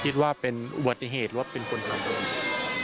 คิดว่าเป็นอุบัติเหตุหรือว่าเป็นคนเหมือนกัน